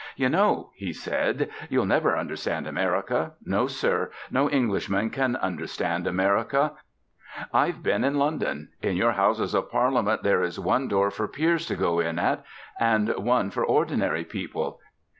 "You know," he said, "you'll never understand America. No, Sir. No Englishman can understand America. I've been in London. In your Houses of Parliament there is one door for peers to go in at, and one for ordinary people.